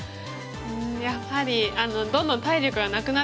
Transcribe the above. うんやはりどんどん体力がなくなっていくので。